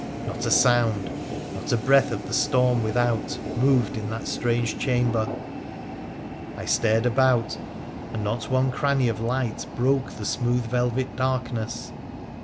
Not a sound, not a breath of the storm without PIIRA THE PIICENIC1AN 235 moved in that strange chamber. I stared about, and not one cranny of light broke the smooth velvet darkness.